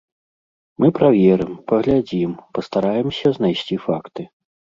Мы праверым, паглядзім, пастараемся знайсці факты.